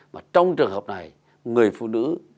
mà trong trường hợp này người phụ nữ